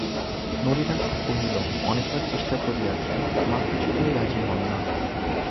নলিনাক্ষ কহিল, অনেকবার চেষ্টা করিয়াছি, মা কিছুতেই রাজি হন না।